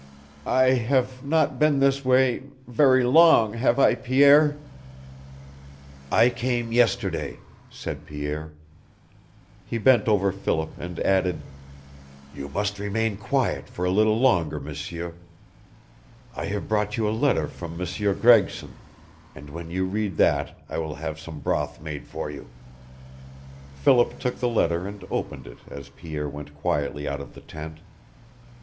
"I have not been this way very long, have I, Pierre?" "I came yesterday," said Pierre. He bent over Philip, and added: "You must remain quiet for a little longer, M'sieur. I have brought you a letter from M'sieur Gregson, and when you read that I will have some broth made for you." Philip took the letter and opened it as Pierre went quietly out of the tent.